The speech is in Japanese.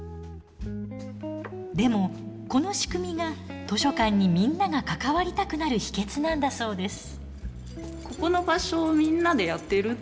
でもこの仕組みが図書館にみんなが関わりたくなる秘けつなんだそうです。